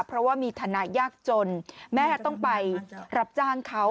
เพราะว่ามีฐานะยากจนแม่ต้องไปรับจ้างเขา